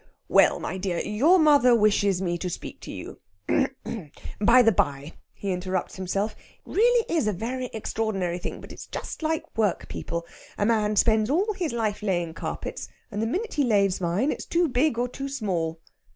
"Well, my dear, your mother wishes me to speak to you.... H'm! h'm! By the bye," he interrupts himself, "it really is a very extraordinary thing, but it's just like work people. A man spends all his life laying carpets, and the minute he lays mine it's too big or too small."